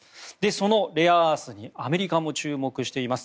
そのレアアースにアメリカも注目しています。